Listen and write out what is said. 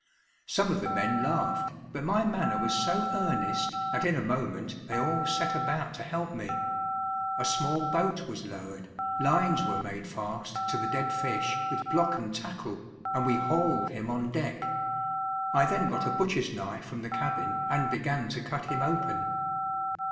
Some of the men laughed, but my manner was so earnest that in a moment they all set about to help me. A small boat was lowered, lines were made fast to the dead fish with block and tackle, and we hauled him on deck. I then got a butcher's knife from the cabin and began to cut him open.